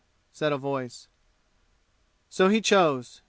said a voice. So he chose.